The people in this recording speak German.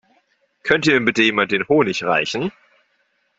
Könnte mir bitte jemand den Honig reichen?